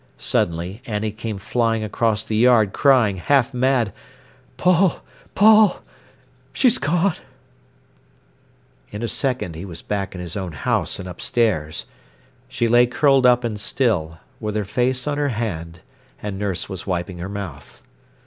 Suddenly Annie came flying across the yard crying, half mad: "Paul—Paul—she's gone!" In a second he was back in his own house and upstairs. She lay curled up and still, with her face on her hand, and nurse was wiping her mouth.